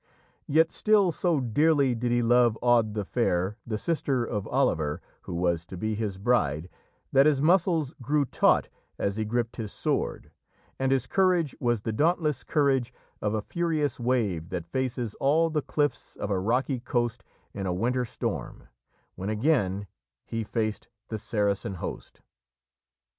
Yet still so dearly did he love Aude the Fair, the sister of Oliver, who was to be his bride, that his muscles grew taut as he gripped his sword, and his courage was the dauntless courage of a furious wave that faces all the cliffs of a rocky coast in a winter storm, when again, he faced the Saracen host.